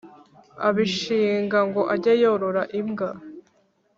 abishinga ngo ajye yorora imbwa